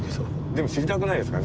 でも知りたくないですか？